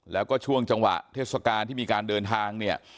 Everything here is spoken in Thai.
แล้วก็ช่วงจังหวะเทศกาลที่มีการเดินทางเนี่ย